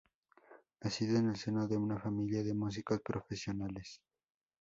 Nacida en el seno de una familia de músicos profesionales.